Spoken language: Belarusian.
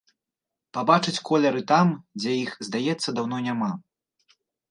Пабачыць колеры там, дзе іх, здаецца, даўно няма.